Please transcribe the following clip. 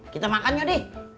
kita makan yodi